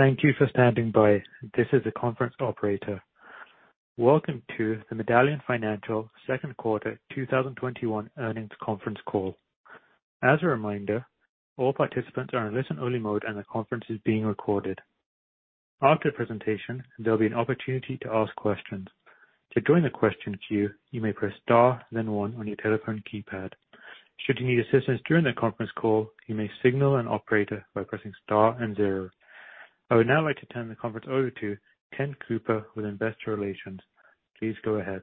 Thank you for standing by. This is the conference operator. Welcome to the Medallion Financial second quarter 2021 earnings conference call. As a reminder, all participants are in listen-only mode, and the conference is being recorded. After the presentation, there'll be an opportunity to ask questions. To join the question queue, you may press star then one on your telephone keypad. Should you need assistance during the conference call, you may signal an operator by pressing star and 0. I would now like to turn the conference over to Ken Cooper with investor relations. Please go ahead.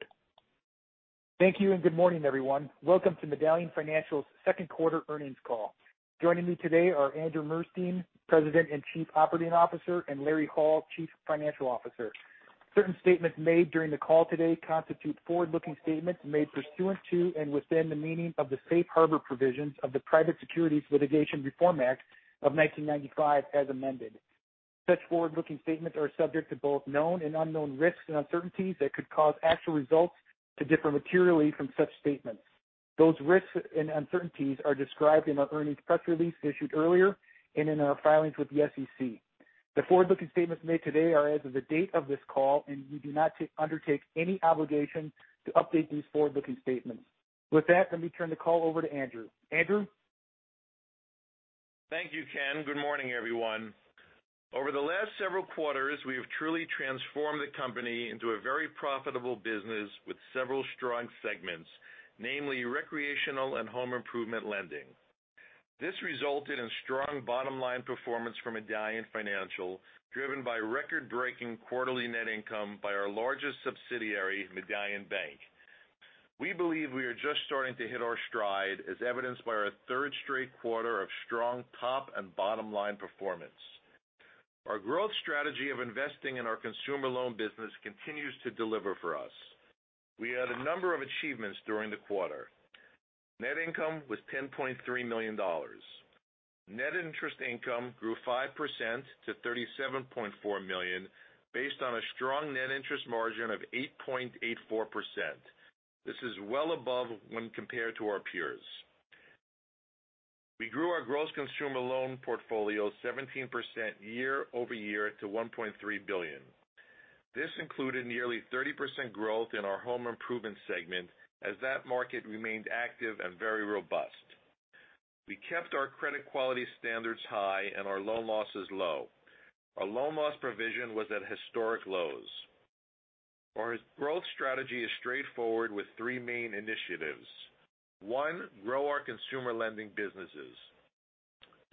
Thank you. Good morning, everyone. Welcome to Medallion Financial's second quarter earnings call. Joining me today are Andrew Murstein, President and Chief Operating Officer, Larry Hall, Chief Financial Officer. Certain statements made during the call today constitute forward-looking statements made pursuant to and within the meaning of the safe harbor provisions of the Private Securities Litigation Reform Act of 1995, as amended. Such forward-looking statements are subject to both known and unknown risks and uncertainties that could cause actual results to differ materially from such statements. Those risks and uncertainties are described in our earnings press release issued earlier and in our filings with the SEC. The forward-looking statements made today are as of the date of this call. We do not undertake any obligation to update these forward-looking statements. With that, let me turn the call over to Andrew. Andrew? Thank you, Ken. Good morning, everyone. Over the last several quarters, we have truly transformed the company into a very profitable business with several strong segments, namely recreational and home improvement lending. This resulted in strong bottom-line performance for Medallion Financial, driven by record-breaking quarterly net income by our largest subsidiary, Medallion Bank. We believe we are just starting to hit our stride, as evidenced by our third straight quarter of strong top and bottom-line performance. Our growth strategy of investing in our consumer loan business continues to deliver for us. We had a number of achievements during the quarter. Net income was $10.3 million. Net interest income grew 5% to $37.4 million based on a strong net interest margin of 8.84%. This is well above when compared to our peers. We grew our gross consumer loan portfolio 17% year-over-year to $1.3 billion. This included nearly 30% growth in our home improvement segment as that market remained active and very robust. We kept our credit quality standards high and our loan losses low. Our loan loss provision was at historic lows. Our growth strategy is straightforward with three main initiatives. One, grow our consumer lending businesses.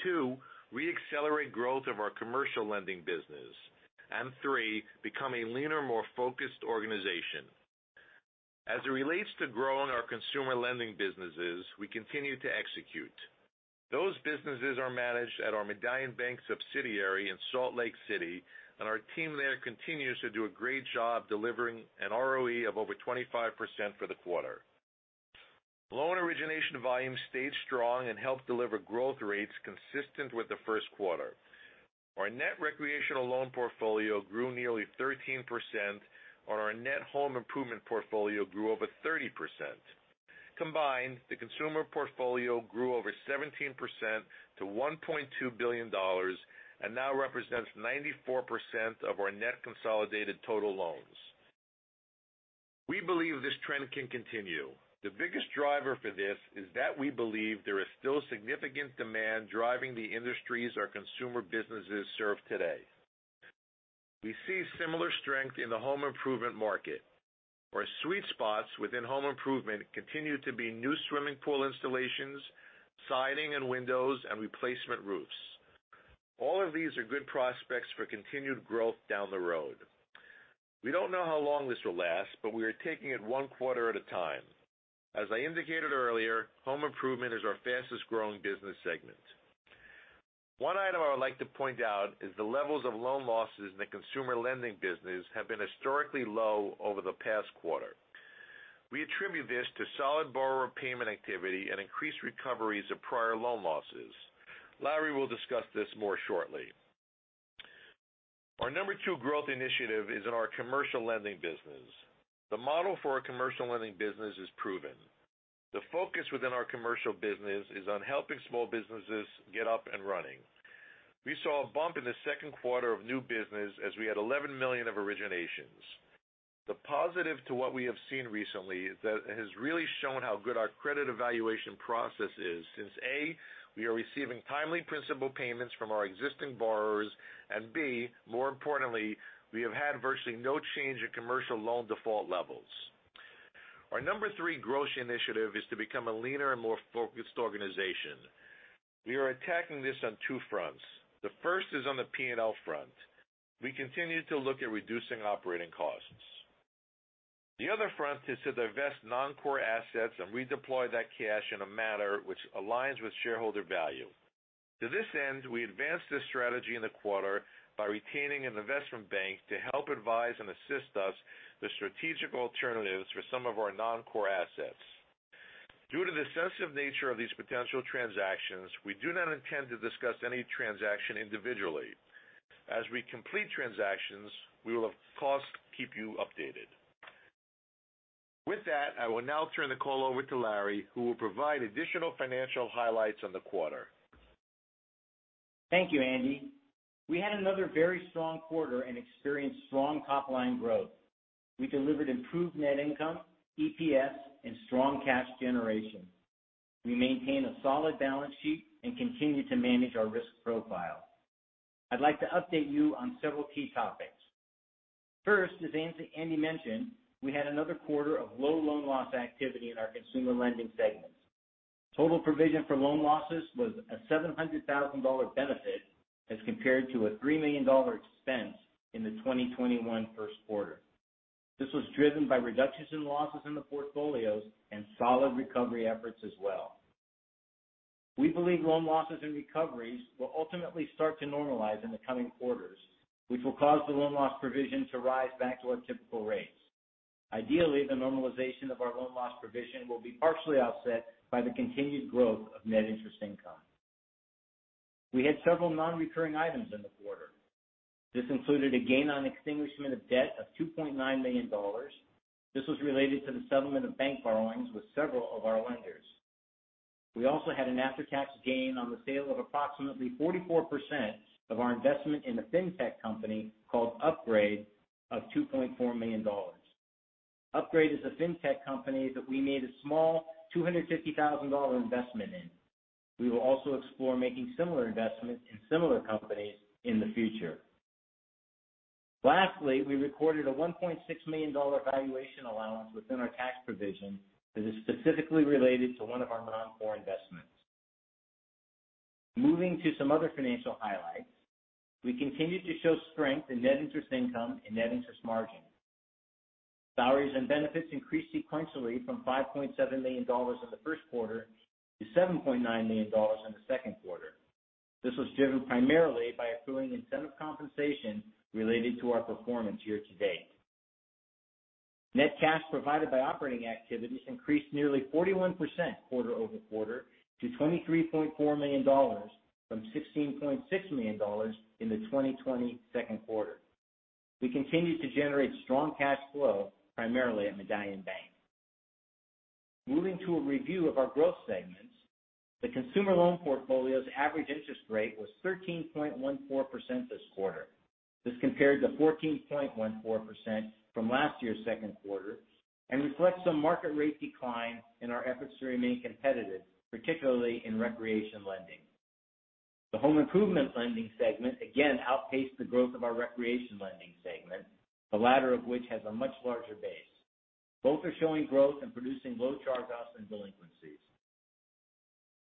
Two, reaccelerate growth of our commercial lending business. Three, become a leaner, more focused organization. As it relates to growing our consumer lending businesses, we continue to execute. Those businesses are managed at our Medallion Bank subsidiary in Salt Lake City, and our team there continues to do a great job delivering an ROE of over 25% for the quarter. Loan origination volume stayed strong and helped deliver growth rates consistent with the first quarter. Our net recreational loan portfolio grew nearly 13%, and our net home improvement portfolio grew over 30%. Combined, the consumer portfolio grew over 17% to $1.2 billion and now represents 94% of our net consolidated total loans. We believe this trend can continue. The biggest driver for this is that we believe there is still significant demand driving the industries our consumer businesses serve today. We see similar strength in the home improvement market. Our sweet spots within home improvement continue to be new swimming pool installations, siding and windows, and replacement roofs. All of these are good prospects for continued growth down the road. We don't know how long this will last, but we are taking it one quarter at a time. As I indicated earlier, home improvement is our fastest-growing business segment. One item I would like to point out is the levels of loan losses in the consumer lending business have been historically low over the past quarter. We attribute this to solid borrower payment activity and increased recoveries of prior loan losses. Larry will discuss this more shortly. Our number two growth initiative is in our commercial lending business. The model for our commercial lending business is proven. The focus within our commercial business is on helping small businesses get up and running. We saw a bump in the second quarter of new business as we had $11 million of originations. The positive to what we have seen recently is that it has really shown how good our credit evaluation process is since, A, we are receiving timely principal payments from our existing borrowers, and B, more importantly, we have had virtually no change in commercial loan default levels. Our number three growth initiative is to become a leaner and more focused organization. We are attacking this on two fronts. The first is on the P&L front. We continue to look at reducing operating costs. The other front is to divest non-core assets and redeploy that cash in a manner which aligns with shareholder value. To this end, we advanced this strategy in the quarter by retaining an investment bank to help advise and assist us the strategic alternatives for some of our non-core assets. Due to the sensitive nature of these potential transactions, we do not intend to discuss any transaction individually. As we complete transactions, we will of course keep you updated. With that, I will now turn the call over to Larry, who will provide additional financial highlights on the quarter. Thank you, Andy. We had another very strong quarter and experienced strong top-line growth. We delivered improved net income, EPS, and strong cash generation. We maintain a solid balance sheet and continue to manage our risk profile. I'd like to update you on several key topics. First, as Andy mentioned, we had another quarter of low loan loss activity in our consumer lending segments. Total provision for loan losses was a $700,000 benefit as compared to a $3 million expense in the 2021 first quarter. This was driven by reductions in losses in the portfolios and solid recovery efforts as well. We believe loan losses and recoveries will ultimately start to normalize in the coming quarters, which will cause the loan loss provision to rise back to our typical rates. Ideally, the normalization of our loan loss provision will be partially offset by the continued growth of net interest income. We had several non-recurring items in the quarter. This included a gain on extinguishment of debt of $2.9 million. This was related to the settlement of bank borrowings with several of our lenders. We also had an after-tax gain on the sale of approximately 44% of our investment in the fintech company called Upgrade of $2.4 million. Upgrade is a fintech company that we made a small $250,000 investment in. We will also explore making similar investments in similar companies in the future. Lastly, we recorded a $1.6 million valuation allowance within our tax provision that is specifically related to one of our non-core investments. Moving to some other financial highlights, we continue to show strength in net interest income and net interest margin. Salaries and benefits increased sequentially from $5.7 million in the first quarter to $7.9 million in the second quarter. This was driven primarily by accruing incentive compensation related to our performance year-to-date. Net cash provided by operating activities increased nearly 41% quarter-over-quarter to $23.4 million from $16.6 million in the 2020 second quarter. We continue to generate strong cash flow primarily at Medallion Bank. Moving to a review of our growth segments, the consumer loan portfolio's average interest rate was 13.14% this quarter. This compared to 14.14% from last year's second quarter and reflects some market rate decline in our efforts to remain competitive, particularly in recreation lending. The home improvement lending segment again outpaced the growth of our recreation lending segment, the latter of which has a much larger base. Both are showing growth and producing low charge-offs and delinquencies.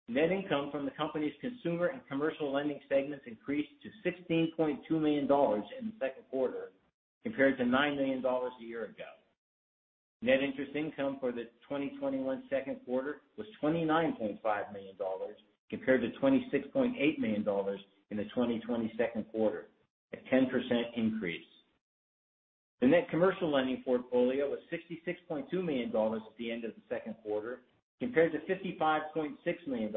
Net income from the company's consumer and commercial lending segments increased to $16.2 million in the second quarter compared to $9 million a year ago. Net interest income for the 2021 second quarter was $29.5 million compared to $26.8 million in the 2020 second quarter, a 10% increase. The net commercial lending portfolio was $66.2 million at the end of the second quarter compared to $55.6 million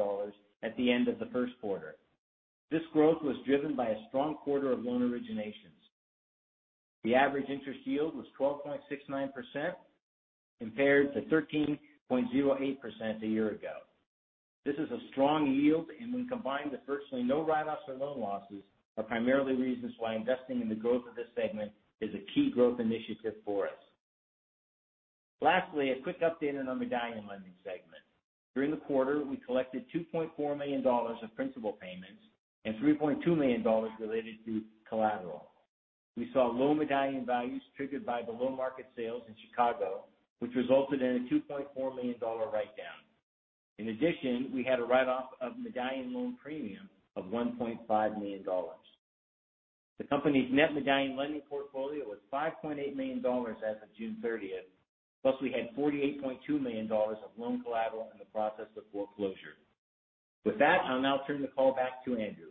at the end of the first quarter. This growth was driven by a strong quarter of loan originations. The average interest yield was 12.69% compared to 13.08% a year ago. This is a strong yield, and when combined with virtually no write-offs or loan losses, are primarily reasons why investing in the growth of this segment is a key growth initiative for us. Lastly, a quick update on our Medallion lending segment. During the quarter, we collected $2.4 million of principal payments and $3.2 million related to collateral. We saw low Medallion values triggered by below-market sales in Chicago, which resulted in a $2.4 million write-down. In addition, we had a write-off of Medallion loan premium of $1.5 million. The company's net Medallion lending portfolio was $5.8 million as of June 30th, plus we had $48.2 million of loan collateral in the process of foreclosure. With that, I'll now turn the call back to Andrew.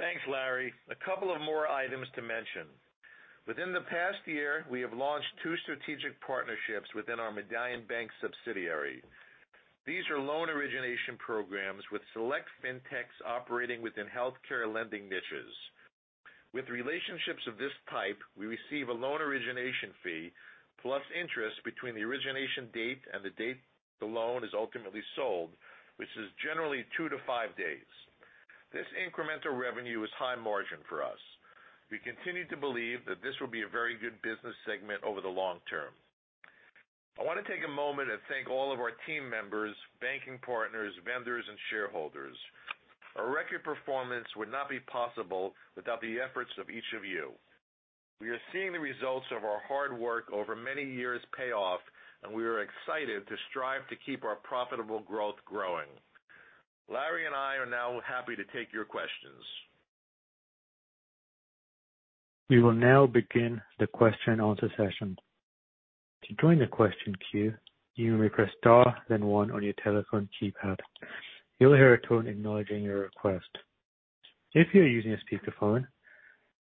Thanks, Larry. A couple of more items to mention. Within the past year, we have launched two strategic partnerships within our Medallion Bank subsidiary. These are loan origination programs with select fintechs operating within healthcare lending niches. With relationships of this type, we receive a loan origination fee plus interest between the origination date and the date the loan is ultimately sold, which is generally two to five days. This incremental revenue is high margin for us. We continue to believe that this will be a very good business segment over the long term. I want to take a moment and thank all of our team members, banking partners, vendors, and shareholders. Our record performance would not be possible without the efforts of each of you. We are seeing the results of our hard work over many years pay off, and we are excited to strive to keep our profitable growth growing. Larry and I are now happy to take your questions. We will now begin the question and answer session. To join the question queue, you may press star then one on your telephone keypad. You'll hear a tone acknowledging your request. If you are using a speakerphone,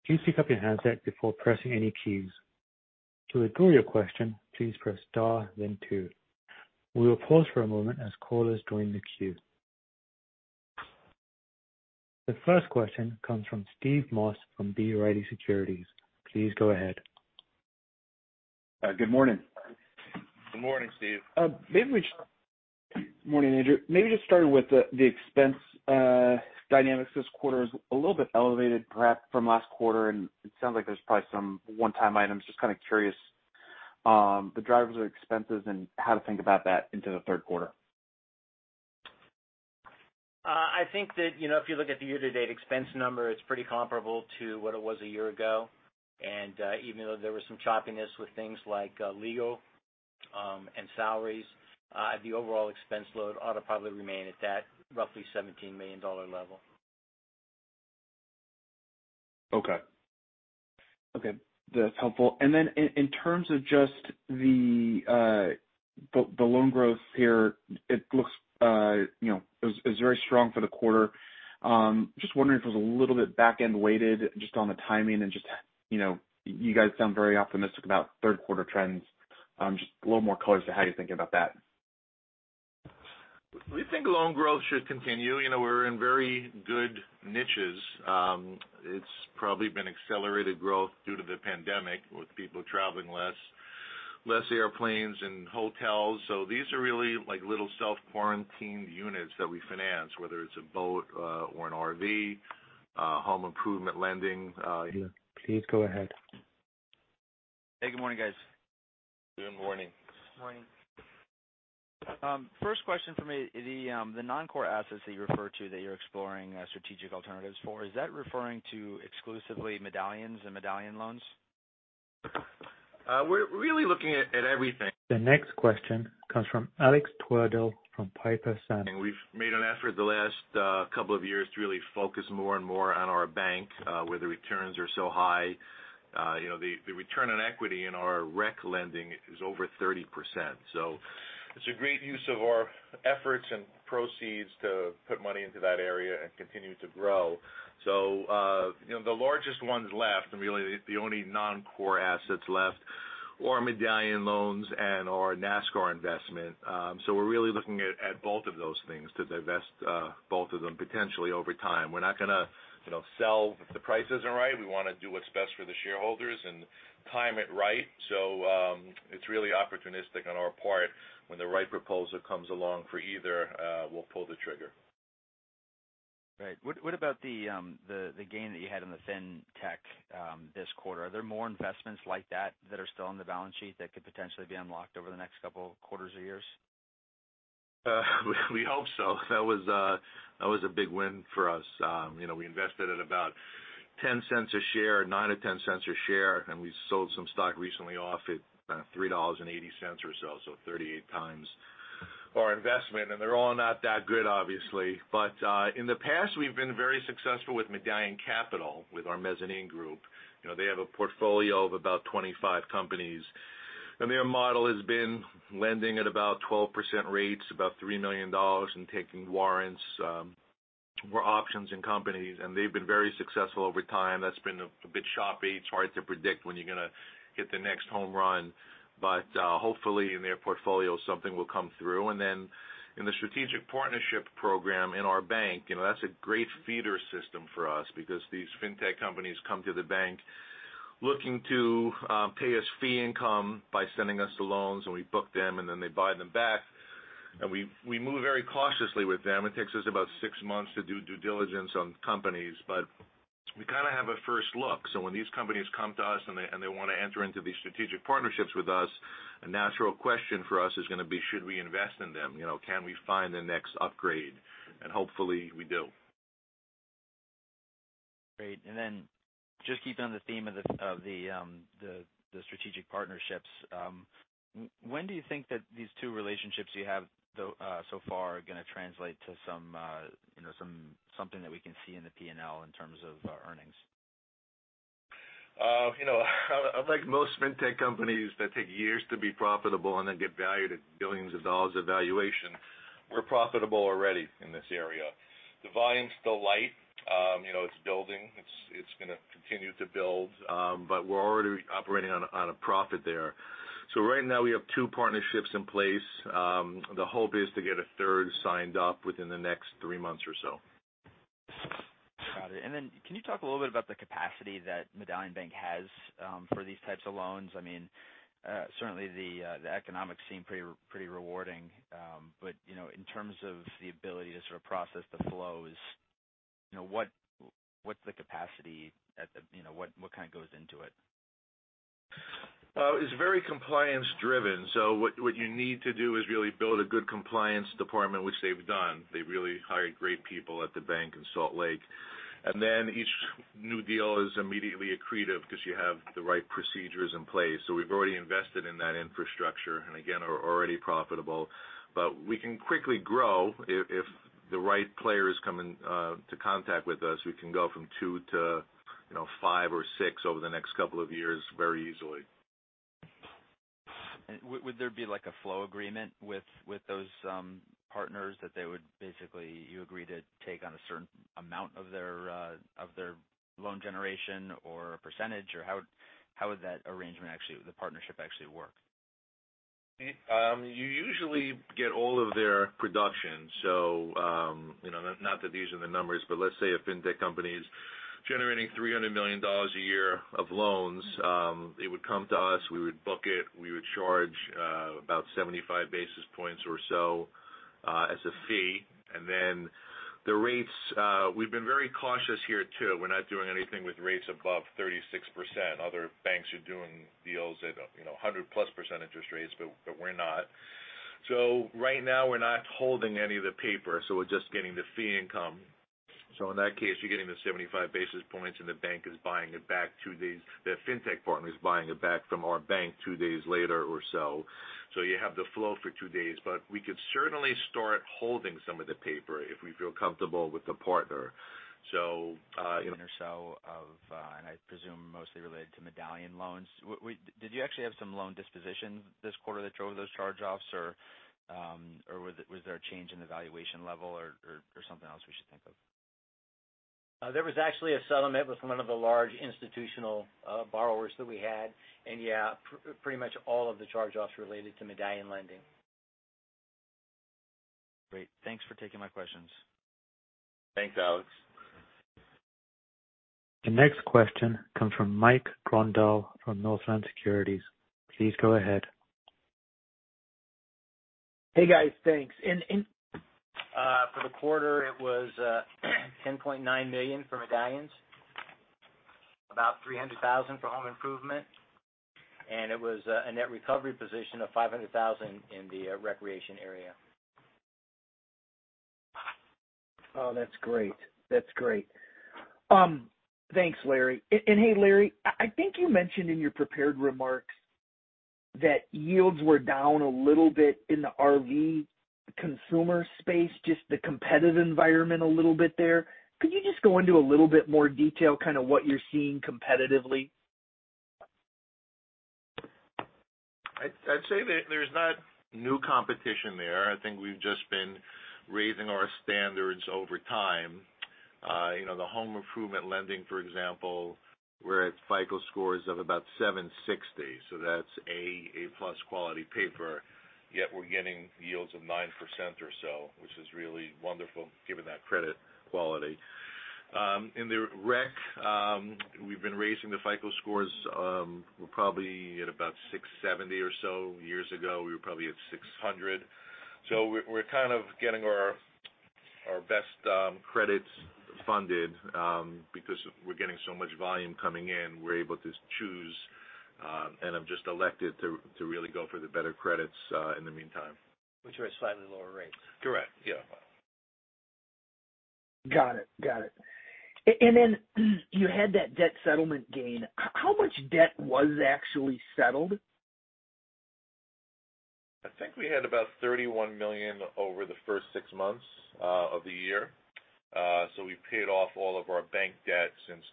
please pick up your handset before pressing any keys. To withdraw your question, please press star then two. We will pause for a moment as callers join the queue. The first question comes from Steve Moss from B. Riley Securities. Please go ahead. Good morning. Good morning, Steve. Morning, Andrew. Maybe just starting with the expense dynamics this quarter is a little bit elevated perhaps from last quarter, and it sounds like there's probably some one-time items. Just curious, the drivers are expensive and how to think about that into the third quarter. I think that if you look at the year-to-date expense number, it's pretty comparable to what it was a year ago. Even though there was some choppiness with things like legal and salaries, the overall expense load ought to probably remain at that roughly $17 million level. Okay. That's helpful. In terms of just the loan growth here, it looks it was very strong for the quarter. Just wondering if it was a little bit back-end weighted just on the timing and just you guys sound very optimistic about third quarter trends. Just a little more color as to how you're thinking about that. We think loan growth should continue. We're in very good niches. It's probably been accelerated growth due to the pandemic with people traveling less, less airplanes and hotels. These are really little self-quarantined units that we finance, whether it's a boat or an RV, home improvement lending. Please go ahead. Hey, good morning, guys. Good morning. Morning. First question for me. The non-core assets that you refer to that you're exploring strategic alternatives for, is that referring to exclusively Medallions and Medallion loans? We're really looking at everything. The next question comes from Alex Twerdahl from Piper Sandler. We've made an effort the last couple of years to really focus more and more on our bank where the returns are so high. The return on equity in our rec lending is over 30%. It's a great use of our efforts and proceeds to put money into that area and continue to grow. The largest ones left, and really the only non-core assets left are Medallion loans and our NASCAR investment. We're really looking at both of those things to divest both of them potentially over time. We're not going to sell if the price isn't right. We want to do what's best for the shareholders and time it right. It's really opportunistic on our part. When the right proposal comes along for either, we'll pull the trigger. Right. What about the gain that you had on the fintech this quarter? Are there more investments like that that are still on the balance sheet that could potentially be unlocked over the next couple of quarters or years? We hope so. That was a big win for us. We invested at about $0.10 a share, $0.09-$0.10 a share, and we sold some stock recently off at $3.80 or so 38x our investment. They're all not that good, obviously. In the past, we've been very successful with Medallion Capital, with our mezzanine group. They have a portfolio of about 25 companies. Their model has been lending at about 12% rates, about $3 million, taking warrants or options in companies, and they've been very successful over time. That's been a bit choppy. It's hard to predict when you're going to hit the next home run, hopefully in their portfolio, something will come through. Then in the Strategic Partnership Program in our bank, that's a great feeder system for us because these fintech companies come to the bank looking to pay us fee income by sending us the loans, and we book them, and then they buy them back. We move very cautiously with them. It takes us about six months to do due diligence on companies, but we kind of have a first look. When these companies come to us and they want to enter into these strategic partnerships with us, a natural question for us is going to be, should we invest in them? Can we find the next Upgrade? Hopefully we do. Great. Just keeping on the theme of the strategic partnerships, when do you think that these two relationships you have so far are going to translate to something that we can see in the P&L in terms of earnings? Unlike most fintech companies that take years to be profitable and then get valued at billions of dollars valuation, we're profitable already in this area. The volume's still light. It's building. It's going to continue to build. We're already operating on a profit there. Right now we have two partnerships in place. The hope is to get a third signed up within the next three months or so. Got it. Can you talk a little bit about the capacity that Medallion Bank has for these types of loans? Certainly the economics seem pretty rewarding. In terms of the ability to sort of process the flows, what's the capacity what goes into it? It's very compliance driven. What you need to do is really build a good compliance department, which they've done. They really hired great people at the bank in Salt Lake. Each new deal is immediately accretive because you have the right procedures in place. We've already invested in that infrastructure, and again, are already profitable. We can quickly grow if the right players come into contact with us. We can go from two to five or six over the next couple of years very easily. Would there be a flow agreement with those partners that they would basically agree to take on a certain amount of their loan generation or a percentage? How would that arrangement, the partnership actually work? You usually get all of their production. Not that these are the numbers, but let's say a fintech company's generating $300 million a year of loans. It would come to us, we would book it, we would charge about 75 basis points or so as a fee. Then the rates, we've been very cautious here, too. We're not doing anything with rates above 36%. Other banks are doing deals at 100%+ interest rates, but we're not. Right now, we're not holding any of the paper. We're just getting the fee income. In that case, you're getting the 75 basis points and the fintech partner is buying it back from our bank two days later or so. You have the flow for two days, but we could certainly start holding some of the paper if we feel comfortable with the partner. Or so of, and I presume mostly related to Medallion loans. Did you actually have some loan dispositions this quarter that drove those charge-offs, or was there a change in the valuation level or something else we should think of? There was actually a settlement with one of the large institutional borrowers that we had. Yeah, pretty much all of the charge-offs related to Medallion lending. Great. Thanks for taking my questions. Thanks, Alex. The next question comes from Mike Grondahl from Northland Securities. Please go ahead. Hey, guys. Thanks. For the quarter, it was $10.9 million for Medallions, about $300,000 for home improvement, and it was a net recovery position of $500,000 in the recreation area. Oh, that's great. Thanks, Larry. Hey, Larry, I think you mentioned in your prepared remarks that yields were down a little bit in the RV consumer space, just the competitive environment a little bit there. Could you just go into a little bit more detail, kind of what you're seeing competitively? I'd say that there's not new competition there. I think we've just been raising our standards over time. The home improvement lending, for example, we're at FICO scores of about 760. That's A+ quality paper. Yet we're getting yields of 9% or so, which is really wonderful given that credit quality. In the rec, we've been raising the FICO scores. We're probably at about 670 or so. Years ago, we were probably at 600. We're kind of getting our best credits funded. Because we're getting so much volume coming in, we're able to choose, and have just elected to really go for the better credits in the meantime. Which are at slightly lower rates. Correct. Yeah. Got it. You had that debt settlement gain. How much debt was actually settled? I think we had about $31 million over the first six months of the year. We paid off all of our bank debt since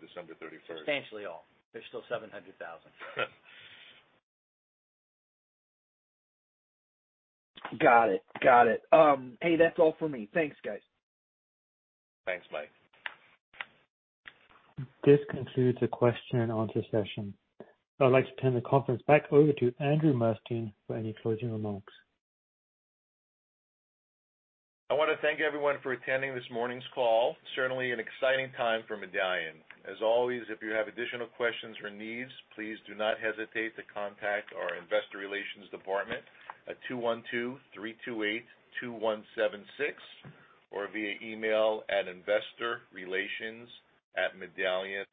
December 31st. Substantially all. There's still $700,000. Got it. Hey, that's all for me. Thanks, guys. Thanks, Mike. This concludes the question and answer session. I'd like to turn the conference back over to Andrew Murstein for any closing remarks. I want to thank everyone for attending this morning's call. Certainly an exciting time for Medallion. As always, if you have additional questions or needs, please do not hesitate to contact our investor relations department at 212-328-2176 or via email at investorrelations@medallion.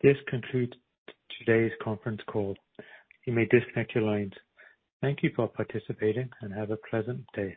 This concludes today's conference call. You may disconnect your lines. Thank you for participating and have a pleasant day.